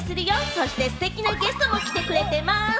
そしてステキなゲストも来てくれてます。